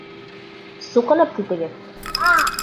Суҡынып китегеҙ!